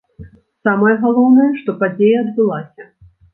Самае галоўнае, што падзея адбылася.